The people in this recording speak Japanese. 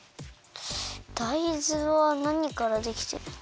だいずはなにからできてるんだ？